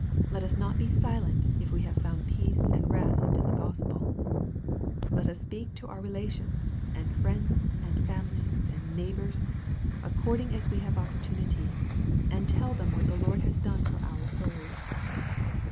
Let us not be silent, if we have found peace and rest in the Gospel. Let us speak to our rela tions, and friends, and families, and neighbors, according as we have opportunity, and tell them what the Lord has done for q ur souls.